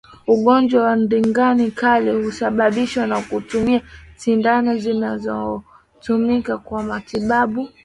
Ugonjwa wa ndigana kali husababishwa na kutumia sindano zilizotumika kwa matibabu